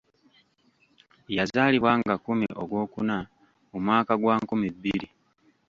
Yazaalibwa nga kkumi ogw'okuna mu mwaka gwa nkumi bbiri.